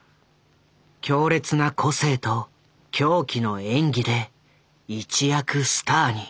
強烈な個性と狂気の演技で一躍スターに。